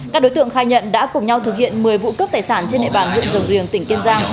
các đối tượng khai nhận đã cùng nhau thực hiện một mươi vụ cướp tài sản trên địa bàn huyện rồng riềng tỉnh kiên giang